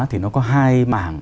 thì nó có hai mảng